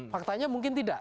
faktanya mungkin tidak